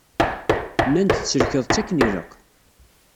Nnan-d tsellkeḍ-tt akken ilaq.